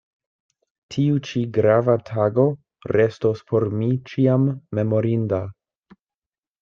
Tiu ĉi grava tago restos por mi ĉiam memorinda.